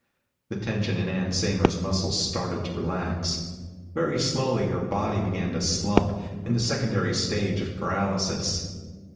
The tension in Ann Saymer's muscles started to relax. Very slowly her body began to slump, in the secondary stage of paralysis.